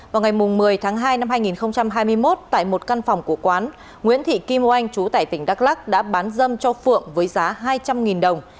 vào ngày một mươi tháng hai năm hai nghìn hai mươi một tại một căn phòng của quán nguyễn thị kim oanh chú tại tỉnh đắk lắc đã bán dâm cho phượng với giá hai trăm linh đồng